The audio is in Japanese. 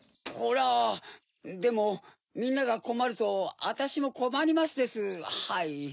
ホラでもみんながこまるとあたしもこまりますですはい。